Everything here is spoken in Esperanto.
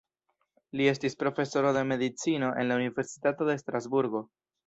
Li estis profesoro de medicino en la Universitato de Strasburgo.